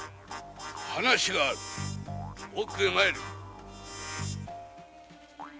話がある奥へ参れ！